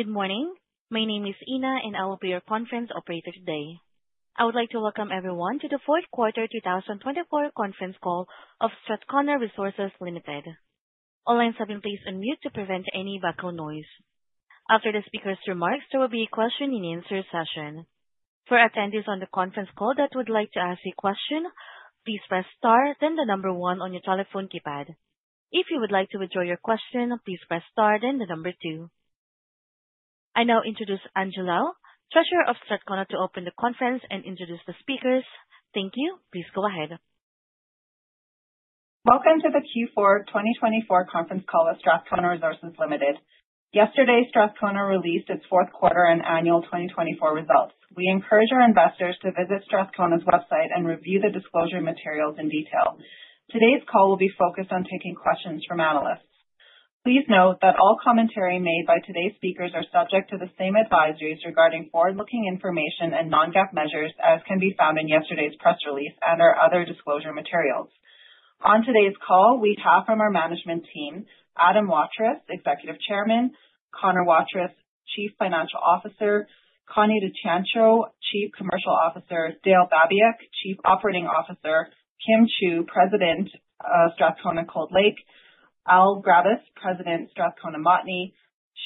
Good morning. My name is Ina, and I will be your conference operator today. I would like to welcome everyone to the fourth quarter 2024 conference call of Strathcona Resources Limited. All lines have been placed on mute to prevent any background noise. After the speaker's remarks, there will be a question and answer session. For attendees on the conference call that would like to ask a question, please press star then 1 on your telephone keypad. If you would like to withdraw your question, please press star then 2. I now introduce Angie Lau, Treasurer of Strathcona, to open the conference and introduce the speakers. Thank you. Please go ahead. Welcome to the Q4 2024 conference call of Strathcona Resources Limited. Yesterday, Strathcona released its fourth quarter and annual 2024 results. We encourage our investors to visit Strathcona's website and review the disclosure materials in detail. Today's call will be focused on taking questions from analysts. Please note that all commentary made by today's speakers are subject to the same advisories regarding forward-looking information and non-GAAP measures as can be found in yesterday's press release and our other disclosure materials. On today's call, we have from our management team, Adam Waterous, Executive Chairman, Connor Waterous, Chief Financial Officer, Connie De Ciancio, Chief Commercial Officer, Dale Babiak, Chief Operating Officer, Kim Chiu, President of Strathcona Cold Lake, Al Grabas, President, Strathcona Montney,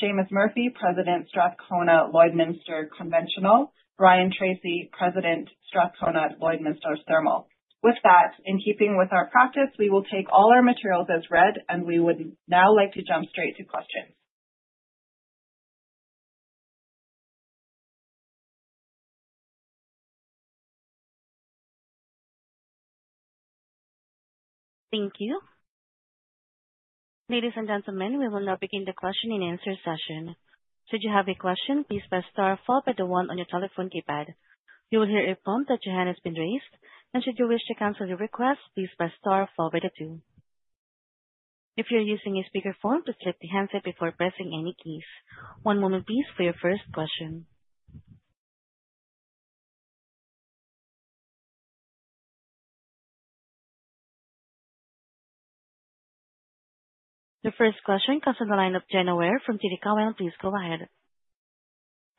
Seamus Murphy, President, Strathcona Lloydminster Conventional, Ryan Tracy, President, Strathcona Lloydminster Thermal. With that, in keeping with our practice, we will take all our materials as read, and we would now like to jump straight to questions. Thank you. Ladies and gentlemen, we will now begin the question and answer session. Should you have a question, please press star followed by the 1 on your telephone keypad. You will hear a prompt that your hand has been raised, and should you wish to cancel your request, please press star followed by the 2. If you're using a speakerphone, please clip the handset before pressing any keys. 1 moment please for your first question. The first question comes on the line of Jeanine Wai from TD Cowen. Please go ahead.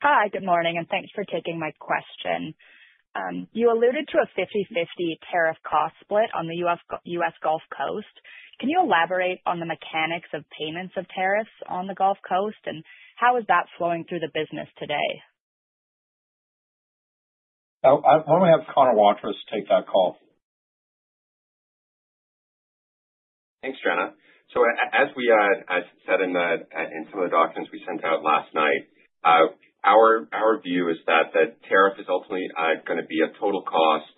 Hi, good morning, and thanks for taking my question. You alluded to a 50/50 tariff cost split on the U.S. Gulf Coast. Can you elaborate on the mechanics of payments of tariffs on the Gulf Coast, and how is that flowing through the business today? I'll probably have Connor Waterous take that call. Thanks, Jeanine Wai. As we said in some of the documents we sent out last night, our view is that the tariff is ultimately going to be a total cost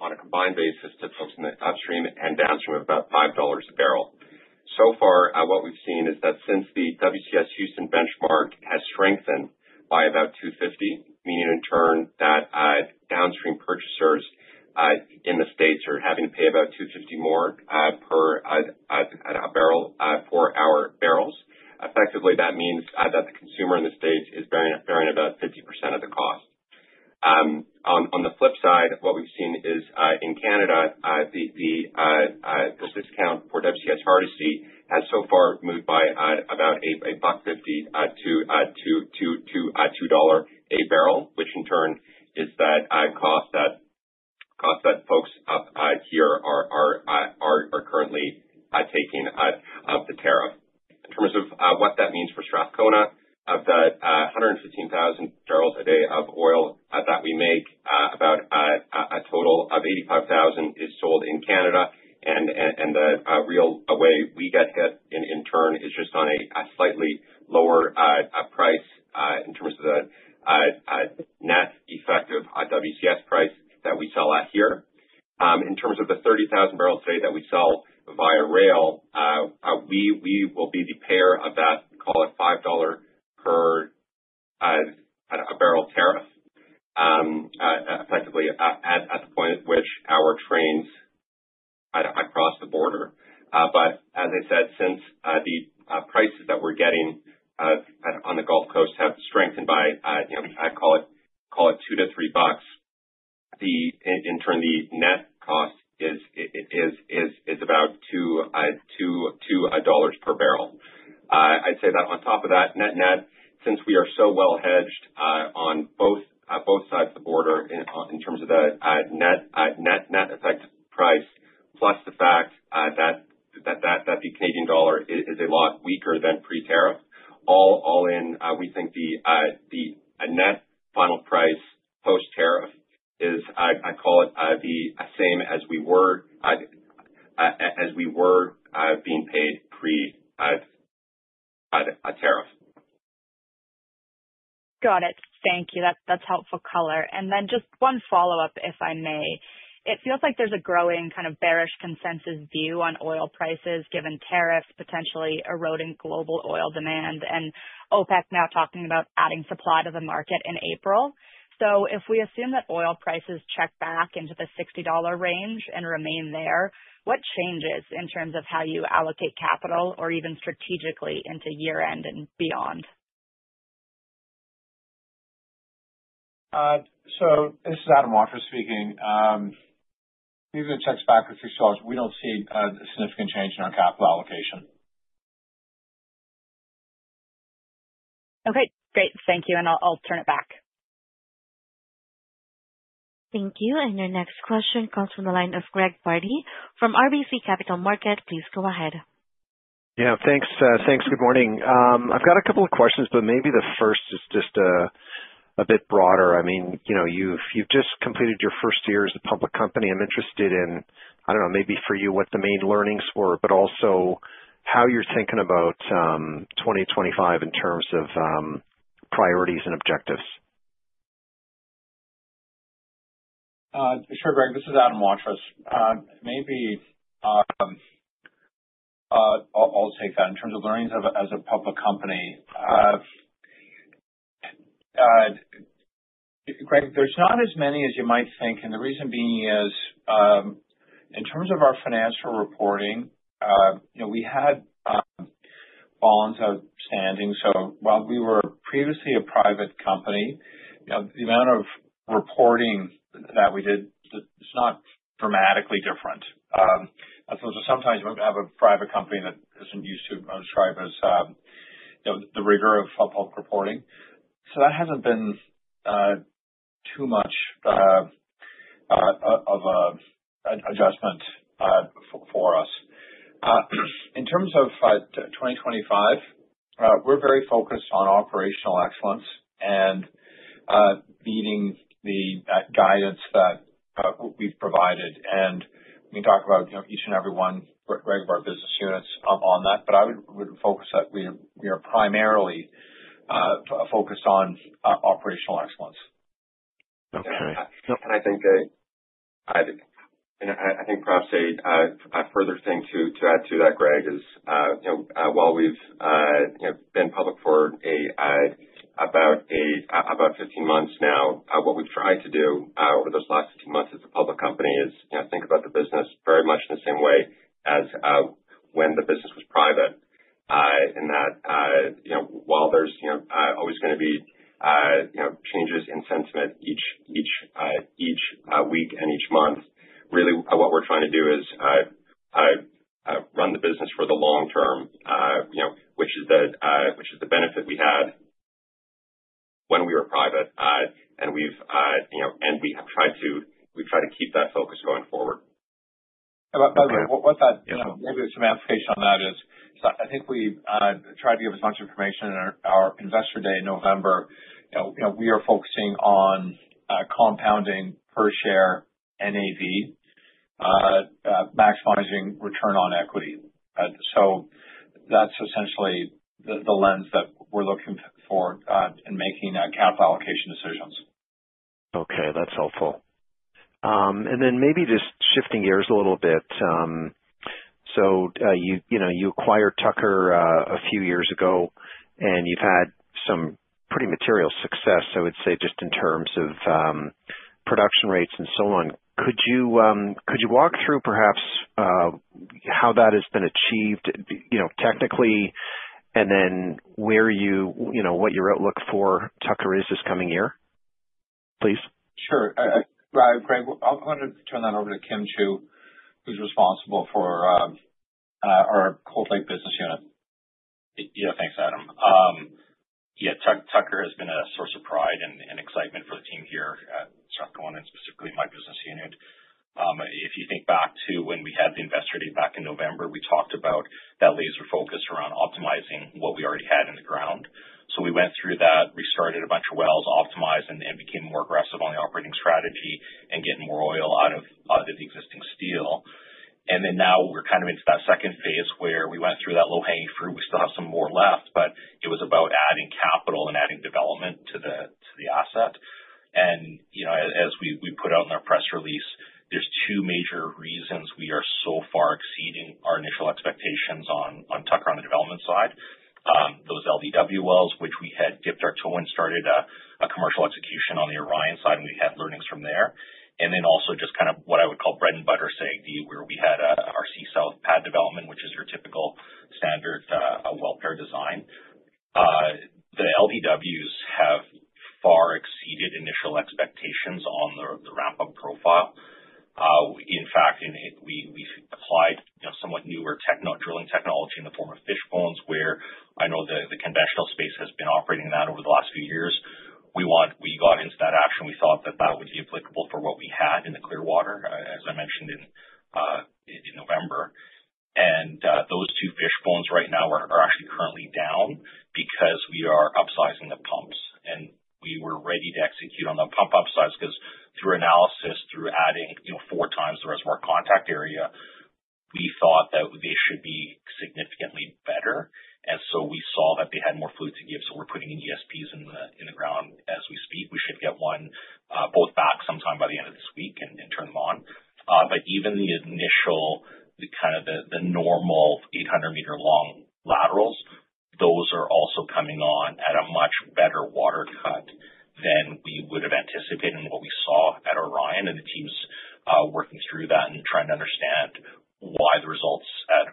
on a combined basis to folks in the upstream and downstream of about $5 a barrel. So far, what we've seen is that since the WCS Houston benchmark has strengthened by about $2.50, meaning in turn that downstream purchasers in the States are having to pay about $2.50 more per barrel for our barrels. Effectively, that means that the consumer in the States is bearing about 50% of the cost. On the flip side, what we've seen is, in Canada, the discount for WCS Hardisty has so far moved by about $1.50-$2 a barrel, which in turn is that cost that folks up here are currently taking of the tariff. In terms of what that means for Strathcona, out of that 115,000 barrels a day of oil that we make, about a total of 85,000 is sold in Canada. The real way we get hit in turn is just on a slightly lower price in terms of the net effective WCS price that we sell at here. In terms of the 30,000 barrels, say, that we sell via rail, we will be the payer of that, call it $5 per barrel tariff effectively at the point at which our trains cross the border. As I said, since the prices that we're getting on the Gulf Coast have strengthened by, I call it $2-$3, in turn, the net cost is about $2 per barrel. I'd say that on top of that net net, since we are so well hedged on both sides of the border in terms of the net effective price, plus the fact that the Canadian dollar is a lot weaker than pre-tariff, all in, we think the net final price post-tariff is, I call it, the same as we were being paid pre-tariff. Got it. Thank you. That's helpful color. And then just one follow-up, if I may. It feels like there's a growing kind of bearish consensus view on oil prices given tariffs potentially eroding global oil demand and OPEC now talking about adding supply to the market in April. If we assume that oil prices check back into the $60 range and remain there, what changes in terms of how you allocate capital or even strategically into year-end and beyond? This is Adam Waterous speaking. Even if it ticks back a few dollars, we don't see a significant change in our capital allocation. Okay, great. Thank you. I'll turn it back. Thank you. Your next question comes from the line of Greg Pardy from RBC Capital Markets. Please go ahead. Yeah, thanks. Good morning. I've got a couple of questions, but maybe the first is just a bit broader. You've just completed your first year as a public company. I'm interested in, I don't know, maybe for you what the main learnings were, but also how you're thinking about 2025 in terms of priorities and objectives. Sure, Greg, this is Adam Waterous. Maybe I'll take that. In terms of learnings as a public company, Greg, there's not as many as you might think, and the reason being is in terms of our financial reporting, we had balance outstanding. While we were previously a private company, the amount of reporting that we did is not dramatically different. I suppose sometimes when we have a private company that isn't used to the rigors of public reporting. That hasn't been too much of an adjustment for us. In terms of 2025, we're very focused on operational excellence and beating the guidance that we've provided. We can talk about each and every one, Greg, of our business units on that, but I would focus that we are primarily focused on operational excellence. Okay. I think perhaps a further thing to add to that, Greg, is while we've been public for about 15 months now, what we've tried to do over those last 15 months as a public company is think about the business very much in the same way as when the business was private. In that, while there's always going to be changes in sentiment each week and each month, really what we're trying to do is run the business for the long term, which is the benefit we had when we were private. We try to keep that focus going forward. Maybe some application on that is, so I think we've tried to give as much information in our Investor Day in November. We are focusing on compounding per share NAV, maximizing return on equity. That's essentially the lens that we're looking for in making our capital allocation decisions. Okay. That's helpful. Maybe just shifting gears a little bit. You acquired Tucker a few years ago, and you've had some pretty material success, I would say, just in terms of production rates and so on. Could you walk through, perhaps, how that has been achieved, technically, and then what your outlook for Tucker is this coming year, please? Sure. Greg, I'm going to turn that over to Kim Chiu, who's responsible for our Cold Lake business unit. Yeah. Thanks, Adam. Yeah, Tucker has been a source of pride and excitement for the team here at Strathcona and specifically my business unit. If you think back to when we had the Investor Day back in November, we talked about that laser focus around optimizing what we already had in the ground. We went through that, restarted a bunch of wells, optimized and became more aggressive on the operating strategy and getting more oil out of the existing wells. Now we're into that second phase where we went through that low-hanging fruit. We still have some more left, but it was about adding capital and adding development to the asset. As we put out in our press release, there's two major reasons we are so far exceeding our initial expectations on Tucker on the development side. Those LDW wells, which we had dipped our toe and started a commercial execution on the Orion side, and we had learnings from there. Also just what I would call bread and butter SAGD, where we had our C South pad development, which is your typical standard well pair design. The LDWs have far exceeded initial expectations on the ramp-up profile. In fact, we've applied somewhat newer drilling technology in the form of Fishbones, where I know the conventional space has been operating that over the last few years. We got into that action. We thought that would be applicable for what we had in the Clearwater, as I mentioned in November. Those two Fishbones right now are actually currently down because we are upsizing the pumps, and we were ready to execute on the pump upsize because through analysis, through adding four times the reservoir contact area, we thought that they should be significantly better. We saw that they had more fluid to give, so we're putting in ESPs in the ground as we speak. We should get one or both back sometime by the end of this week and turn them on. Even the initial, the normal 800-meter long laterals, those are also coming on at a much better water cut than we would have anticipated and what we saw at Orion. The team's working through that and trying to understand why the results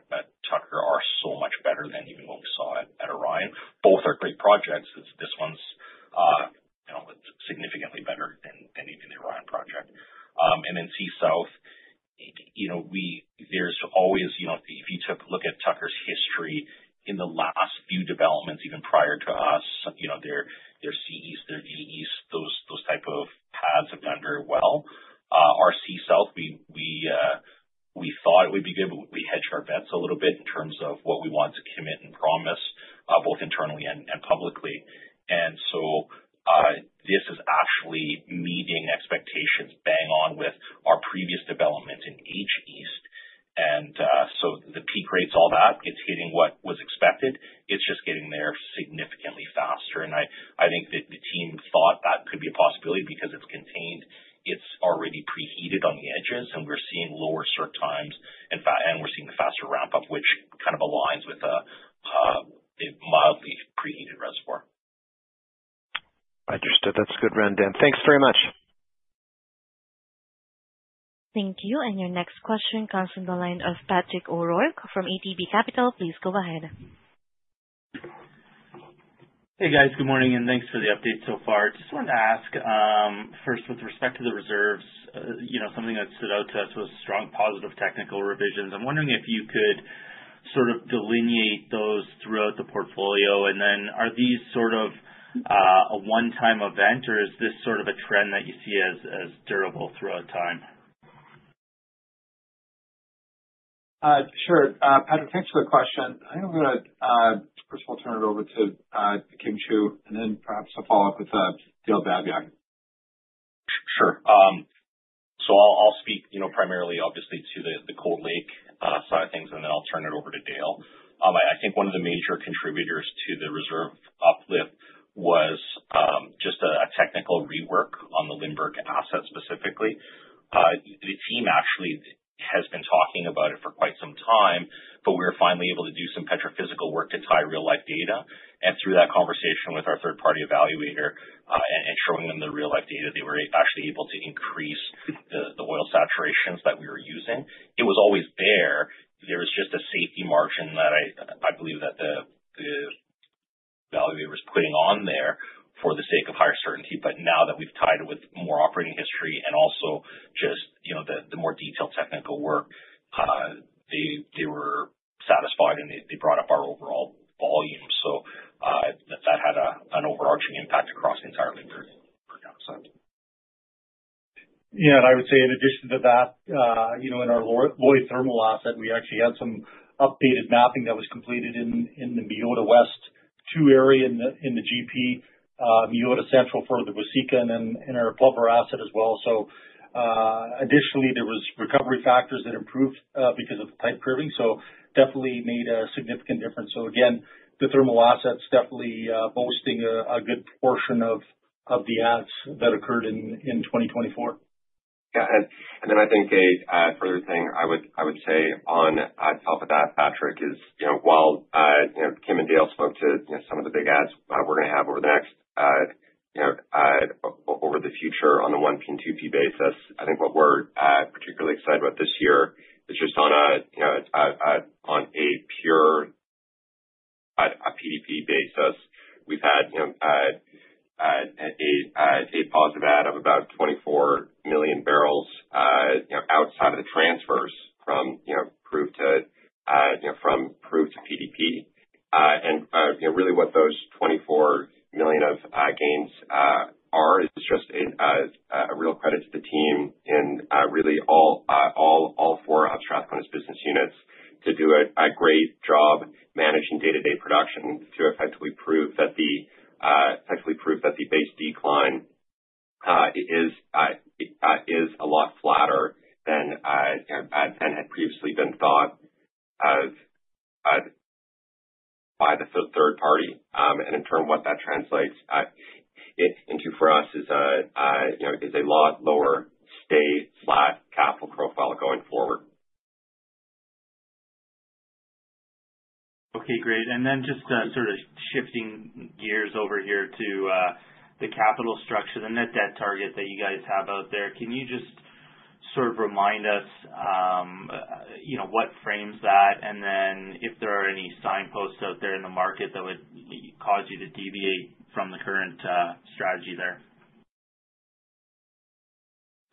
are so much better than even what we saw at Orion. Both are great projects. This one's significantly better than even the Orion project. Then C South, there's always, if you look at Tucker's history in the last few developments, even prior to us, their C East, their E East, those type of pads have done very well. Our C South, we thought it would be good. We hedged our bets a little bit in terms of what we want to commit and promise, both internally and publicly. This is actually meeting expectations, bang on with our previous development in H East. The peak rates, all that, it's hitting what was expected. It's just getting there significantly faster. I think that the team thought that could be a possibility because it's contained. It's already preheated on the edges, and we're seeing lower circ times, and we're seeing the faster ramp-up, which kind of aligns with a mildly preheated reservoir. Understood. That's a good run, Kim Chiu. Thanks very much. Thank you. Your next question comes from the line of Patrick O'Rourke from ATB Capital. Please go ahead. Hey, guys. Good morning, and thanks for the update so far. Just wanted to ask, first with respect to the reserves, something that stood out to us was strong positive technical revisions. I'm wondering if you could sort of delineate those throughout the portfolio, and then are these sort of a one-time event, or is this sort of a trend that you see as durable throughout time? Sure. Patrick, thanks for the question. I think I'm going to first of all turn it over to Kim Chiu, and then perhaps he'll follow up with Dale Babiak. Sure. I'll speak primarily obviously to the Cold Lake side of things, and then I'll turn it over to Dale. I think one of the major contributors to the reserve uplift was just a technical rework on the Lindbergh asset specifically. The team actually has been talking about it for quite some time, but we were finally able to do some petrophysical work to tie real-life data. Through that conversation with our third-party evaluator, and showing them the real-life data, they were actually able to increase the oil saturations that we were using. It was always there. There was just a safety margin that I believe that the evaluator's putting on there for the sake of higher certainty. Now that we've tied it with more operating history and also just the more detailed technical work, they were satisfied, and they brought up our overall volume. That had an overarching impact across the entire Lindbergh account. Yeah. I would say in addition to that, in our Lloydminster Thermal asset, we actually had some updated mapping that was completed in the Meota West 2 area in the GP. Meota Central for the Waseca and then in our Plover asset as well. Additionally, there was recovery factors that improved because of the type curve, so definitely made a significant difference. Again, the thermal assets definitely boasting a good portion of the adds that occurred in 2024. Yeah. I think a further thing I would say on top of that, Patrick, is while Kim and Dale spoke to some of the big adds we're going to have over the future on the 1P and 2P basis. I think what we're particularly excited about this year is just on a pure PDP basis. We've had a positive add of about 24 million barrels outside of the transfers from proved to PDP. Really what those 24 million of gains are is just a real credit to the team and really all four of Strathcona's business units to do a great job managing day-to-day production to effectively prove that the base decline is a lot flatter than had previously been thought of by the third party. In turn, what that translates into for us is a lot lower stay flat capital profile going forward. Okay, great. Just sort of shifting gears over here to the capital structure, the net debt target that you guys have out there. Can you just sort of remind us what frames that, and then if there are any signposts out there in the market that would cause you to deviate from the current strategy there?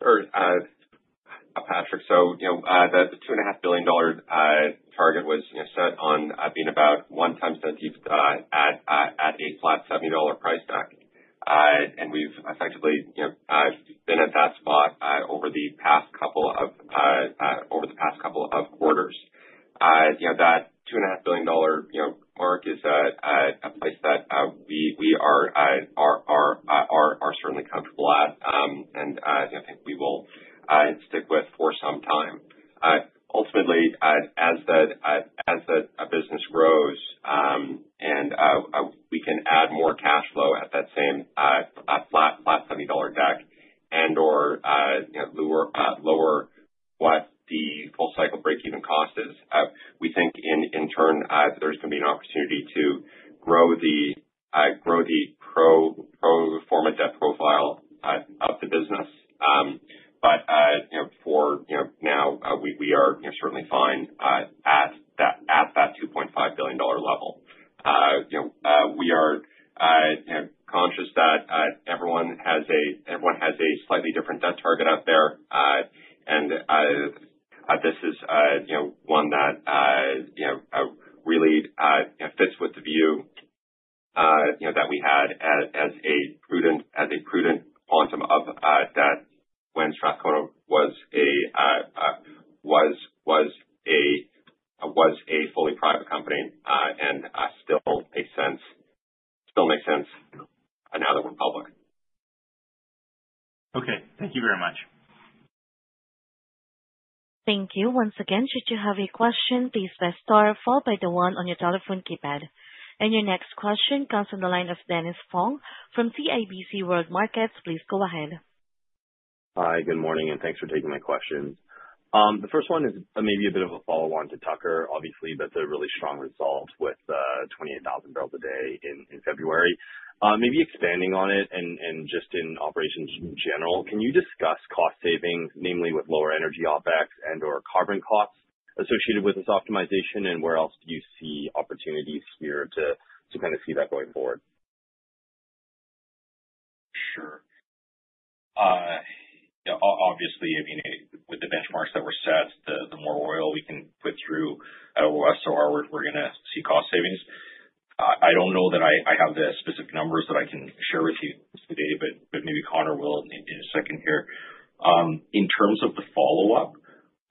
Sure, Patrick. The $2.5 billion target was set on being about 1x Debt/EBITDA at a flat $70 price deck. We've effectively been at that spot over the past couple of quarters. That $2.5 billion mark is a place that we are certainly comfortable at. I think we will stick with for some time. Ultimately, as the business grows and we can add more cash flow at that same flat $70 deck and/or lower what the full-cycle break-even cost is. We think in turn, there's going to be an opportunity to grow the pro forma debt profile of the business. For now, we are certainly fine at that CAD 2.5 billion level. We are conscious that everyone has a slightly different debt target out there. This is one that really fits with the view that we had as a prudent quantum of debt when Strathcona was a fully private company, and still makes sense now that we're public. Okay. Thank you very much. Thank you. Once again, should you have a question, please press star followed by the one on your telephone keypad. Your next question comes from the line of Dennis Fong from CIBC World Markets. Please go ahead. Hi, good morning, and thanks for taking my questions. The first one is maybe a bit of a follow-on to Tucker, obviously, but the really strong results with 28,000 barrels a day in February, maybe expanding on it and just in operations in general, can you discuss cost savings, namely with lower energy OpEx and/or carbon costs associated with this optimization, and where else do you see opportunities here to kind of see that going forward? Sure. Obviously, with the benchmarks that were set, the more oil we can put through at OSOR, we're going to see cost savings. I don't know that I have the specific numbers that I can share with you today, but maybe Connor will in a second here. In terms of the follow-up,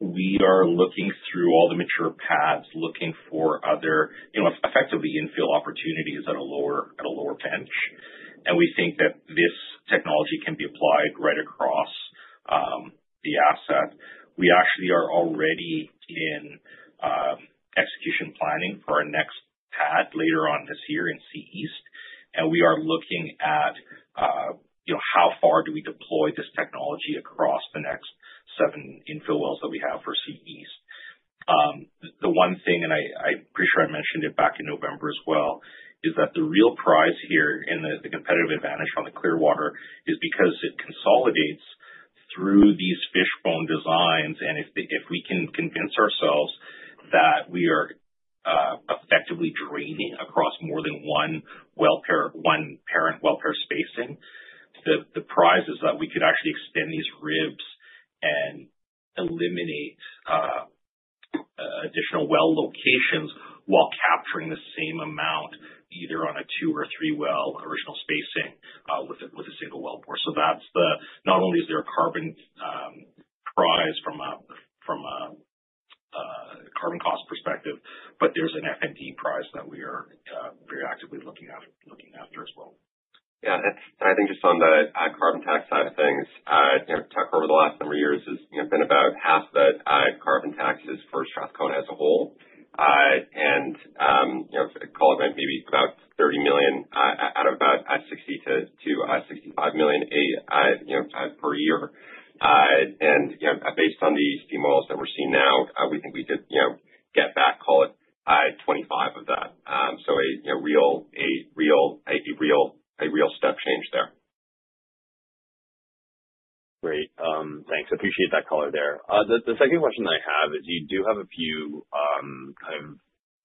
we are looking through all the mature pads, looking for other effectively infill opportunities at a lower bench. We think that this technology can be applied right across the asset. We actually are already in execution planning for our next pad later on this year in C East. We are looking at how far do we deploy this technology across the next seven infill wells that we have for C East. The one thing, and I'm pretty sure I mentioned it back in November as well, is that the real prize here and the competitive advantage on the Clearwater is because it consolidates through these Fishbones designs. If we can convince ourselves that we are effectively draining across more than one parent well pair spacing, the prize is that we could actually extend these ribs and eliminate additional well locations while capturing the same amount, either on a two or a three well original spacing with a single well bore. Not only is there a carbon prize from a carbon cost perspective, but there's an F&D prize that we are very actively looking after as well. The second question that I have is you do have a few,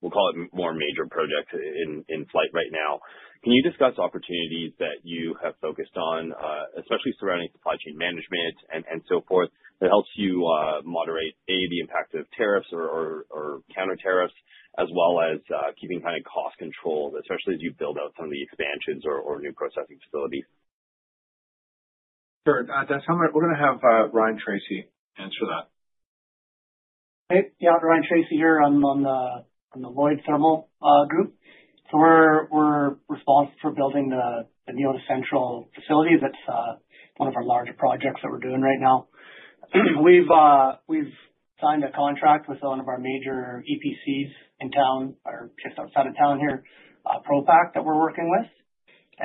we'll call it more major projects in flight right now. Can you discuss opportunities that you have focused on, especially surrounding supply chain management and so forth, that helps you moderate, A, the impact of tariffs or counter-tariffs, as well as keeping cost controls, especially as you build out some of the expansions or new processing facilities? Sure. We're going to have Ryan Tracy answer that. Hey. Yeah, Ryan Tracy here. I'm on the Lloydminster Thermal group. We're responsible for building the Meota Central facility. That's one of our larger projects that we're doing right now. We've signed a contract with one of our major EPCs in town or just outside of town here, Propak that we're working with.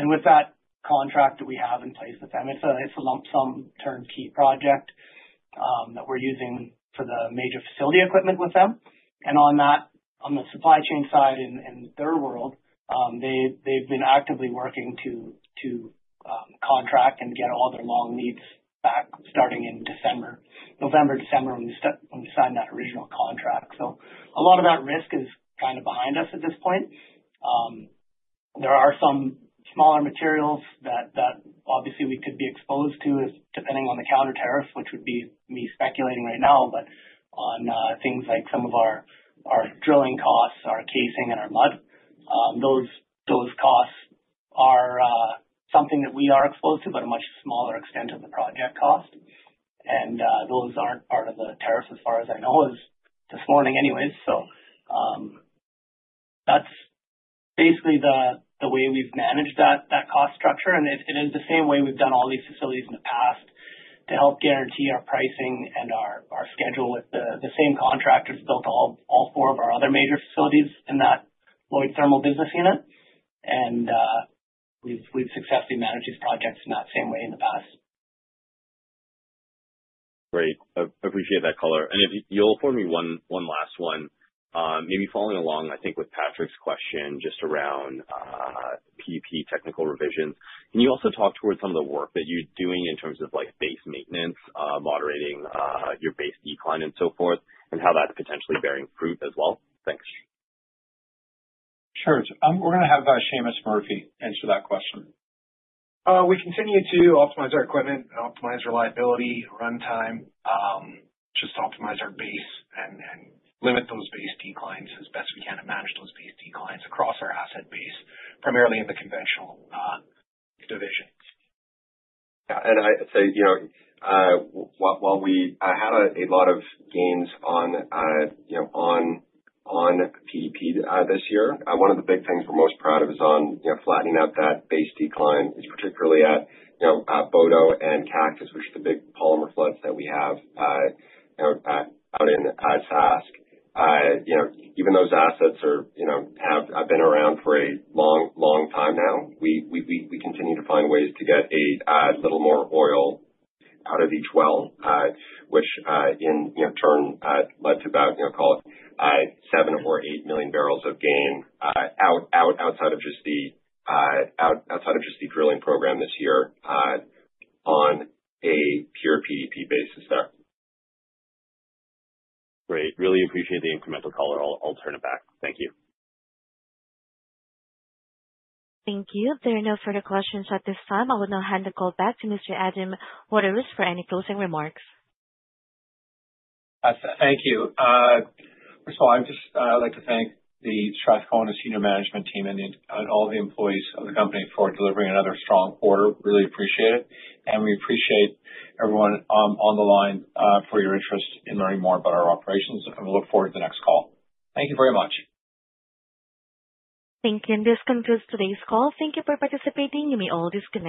With that contract that we have in place with them, it's a lump sum turnkey project that we're using for the major facility equipment with them. On the supply chain side in their world, they've been actively working to contract and get all their long leads back starting in November, December, when we signed that original contract. A lot of that risk is kind of behind us at this point. There are some smaller materials that obviously we could be exposed to, depending on the counter-tariff, which would be me speculating right now. On things like some of our drilling costs, our casing, and our mud. Those costs are something that we are exposed to, but to a much smaller extent of the project cost. Those aren't part of the tariffs as far as I know as of this morning anyways. That's basically the way we've managed that cost structure, and it is the same way we've done all these facilities in the past to help guarantee our pricing and our schedule with the same contractors built all four of our other major facilities in that Lloydminster Thermal business unit. We've successfully managed these projects in that same way in the past. Great. Appreciate that color. If you'll afford me one last one, maybe following along, I think, with Patrick's question just around PDP technical revisions. Can you also talk towards some of the work that you're doing in terms of base maintenance, moderating your base decline and so forth, and how that's potentially bearing fruit as well? Thanks. Sure. We're going to have Seamus Murphy answer that question. We continue to optimize our equipment, optimize reliability, runtime, just optimize our base and limit those base declines as best we can and manage those base declines across our asset base, primarily in the conventional divisions. Yeah, I say, while we had a lot of gains on PDP this year, one of the big things we're most proud of is on flattening out that base decline, particularly at Bodo and Cactus, which are the big polymer floods that we have out in Sask. Even those assets have been around for a long time now. We continue to find ways to get a little more oil out of each well, which in turn led to about, call it 7 or 8 million barrels of gain outside of just the drilling program this year on a pure PDP basis there. Great. Really appreciate the incremental color. I'll turn it back. Thank you. Thank you. There are no further questions at this time. I will now hand the call back to Mr. Adam Waterous for any closing remarks. Thank you. First of all, I'd like to thank the Strathcona senior management team and all the employees of the company for delivering another strong quarter. Really appreciate it, and we appreciate everyone on the line for your interest in learning more about our operations, and we look forward to the next call. Thank you very much. Thank you. This concludes today's call. Thank you for participating. You may all disconnect.